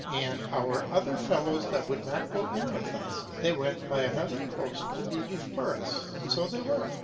And our other fellows that would not go in with us, they went by another coast to be before us; and so they were.